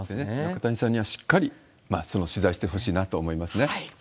中谷さんにはしっかり、取材してほしいなと思いますね。